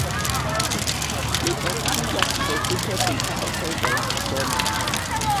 Li okupiĝas precipe pri partoj de la atomoj.